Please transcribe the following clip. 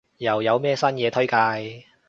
又有咩新嘢推介？